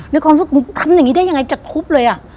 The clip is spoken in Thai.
ด้วยความรู้สึกทำอย่างนี้ได้ยังไงจะทุบเลยอ่ะ